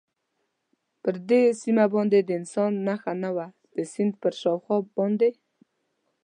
پر دې سیمه باندې د انسان نښه نه وه، د سیند پر شاوخوا باندې.